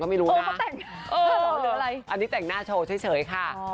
ก็ไม่รู้นะเก่าแต่งเออหรอหรืออะไรอันนี้แต่งหน้าโชว์เฉยเฉยค่ะ